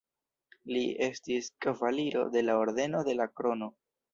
Li estis kavaliro de la Ordeno de la Krono.